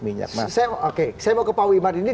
minyak saya mau ke pak wimar ini